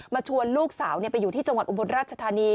ชวนลูกสาวไปอยู่ที่จังหวัดอุบลราชธานี